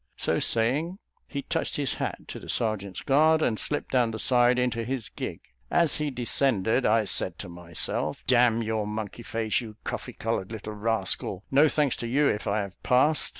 So saying, he touched his hat to the serjeant's guard, and slipped down the side into his gig. As he descended, I said to myself, "D n your monkey face, you coffee coloured little rascal no thanks to you if I have passed.